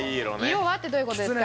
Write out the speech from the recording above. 「色は」ってどういう事ですか？